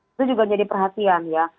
itu juga jadi perhatian ya